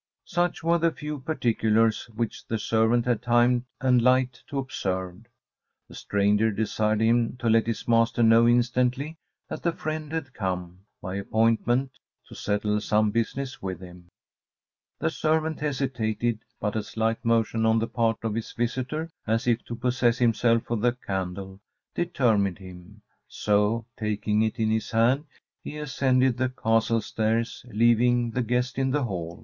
Such were the few particulars which the servant had time and light to observe. The stranger desired him to let his master know instantly that a friend had come, by appointment, to settle some business with him. The servant hesitated, but a slight motion on the part of his visitor, as if to possess himself of the candle, determined him; so, taking it in his hand, he ascended the castle stairs, leaving the guest in the hall.